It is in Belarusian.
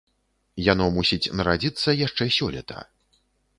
Яно мусіць нарадзіцца яшчэ сёлета.